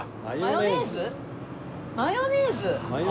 マヨネーズです。